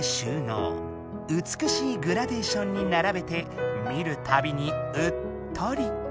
うつくしいグラデーションにならべて見るたびにうっとり。